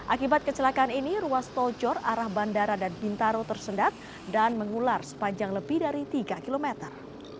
akibat kecelakaan ini ruas tojor arah bandara dan bintaro tersendat dan mengular sepanjang lebih dari tiga kilometer